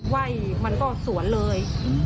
ไหว้มันก็สวนเลย